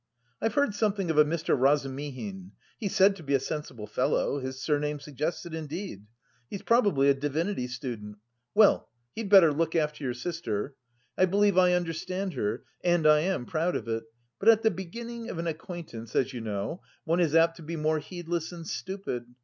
I've heard something of a Mr. Razumihin he's said to be a sensible fellow; his surname suggests it, indeed. He's probably a divinity student. Well, he'd better look after your sister! I believe I understand her, and I am proud of it. But at the beginning of an acquaintance, as you know, one is apt to be more heedless and stupid.